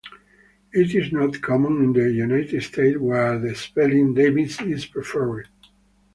It is not common in the United States where the spelling "Davis" is preferred.